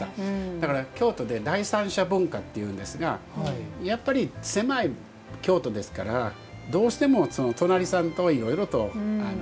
だから京都で第三者文化っていうんですがやっぱり狭い京都ですからどうしても隣さんといろいろと小競り合いがあるから。